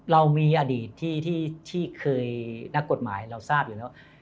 เรามีอดีตที่เคยนักกฎหมายเราทราบอยู่แล้ว